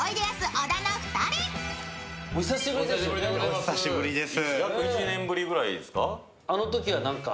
お久しぶりです。